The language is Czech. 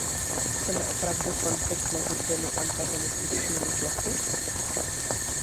Chceme opravdu konflikt mezi dvěmi antagonistickými bloky?